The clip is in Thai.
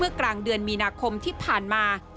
กลางเดือนมีนาคมที่ผ่านมา